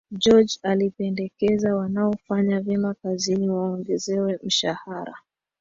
George alipendekeza wanaofanya vyema kazini waongezwe mshahara